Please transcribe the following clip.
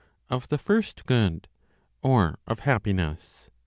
Of the First Good (or, of Happiness).